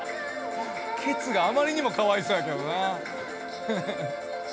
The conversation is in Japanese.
ケツがあまりにもかわいそうやけどな。